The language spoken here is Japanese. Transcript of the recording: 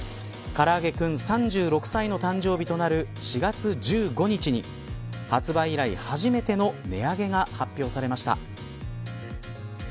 からあげクン３６歳の誕生日となる４月１５日に発売以来、初めての値上げが発表されました。